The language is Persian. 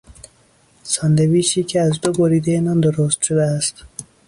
ساندویچی که از دو بریدهی نان درست شده است